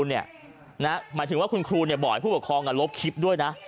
หมายถึงว่าคุณครูบอกให้ผู้ปกครองลบคลิปด้วยนะ